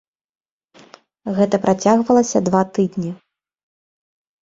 Гэта працягвалася два тыдні.